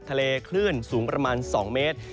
คลื่นสูงประมาณ๒เมตร